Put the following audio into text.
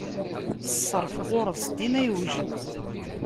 Ṣṣeṛf ɣuṛ-s dima yewjed.